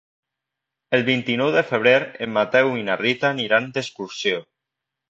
El vint-i-nou de febrer en Mateu i na Rita aniran d'excursió.